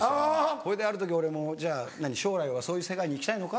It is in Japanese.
それである時俺も「将来はそういう世界に行きたいのか？」